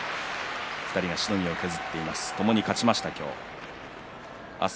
２人がしのぎを削っています。